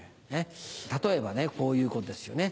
例えばねこういうことですよね。